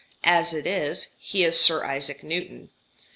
As it is, he is Sir Isaac Newton.